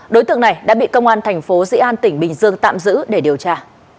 đối tượng này đã bị công an tp dĩ an tỉnh bình dương tạm giữ để điều tra